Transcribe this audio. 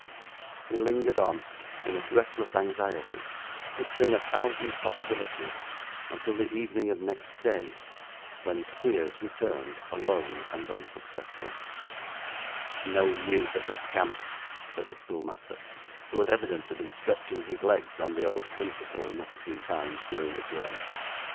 He lingered on, in restless anxiety, picturing a thousand possibilities, until the evening of next day, when Squeers returned, alone, and unsuccessful. 'No news of the scamp!' said the schoolmaster, who had evidently been stretching his legs, on the old principle, not a few times during the journey.